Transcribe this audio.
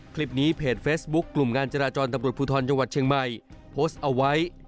คลิปนี้เพจเฟซบุ๊คกลุ่มงานจราจรตำรวจภูทรจังหวัดเชียงใหม่โพสต์เอาไว้